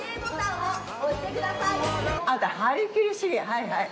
はいはい。